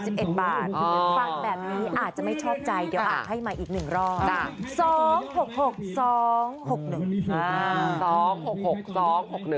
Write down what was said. ฟังแบบนี้อาจจะไม่ชอบใจเดี๋ยวอาจให้มาอีกหนึ่งรอบ